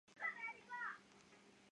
我们快被冻僵了！